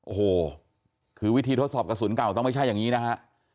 โอ้โหคือวิธีทดสอบกระสุนเก่าต้องไม่ใช่อย่างนี้นะฮะ